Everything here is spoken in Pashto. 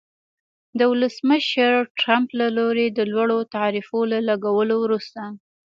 د ولسمشر ټرمپ له لوري د لوړو تعرفو له لګولو وروسته